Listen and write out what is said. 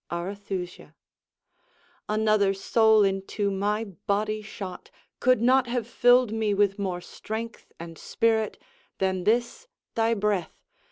Arethusa Another soul into my body shot Could not have filled me with more strength and spirit Than this thy breath.